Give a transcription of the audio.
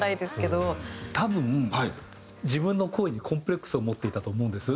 多分自分の声にコンプレックスを持っていたと思うんです。